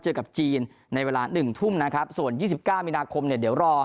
เจอกับจีนในเวลาหนึ่งทุ่มนะครับส่วนยี่สิบก้าวมีนาคมเนี่ยเดี๋ยวรอ